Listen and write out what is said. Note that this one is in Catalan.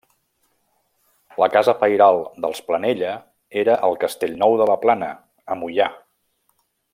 La casa pairal dels Planella era el Castellnou de la Plana, a Moià.